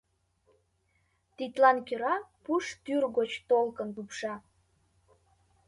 Тидлан кӧра пуш тӱр гоч толкын лупша.